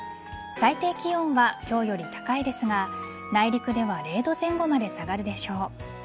最低気温は今日より高いですが内陸では０度前後まで下がるでしょう。